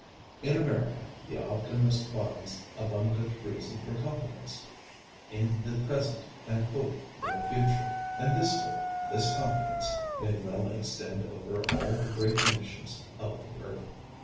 In America the optimist finds abundant reason for confidence in the present and hope for the future, and this hope, this confidence, may well extend over all the great nations of the earth.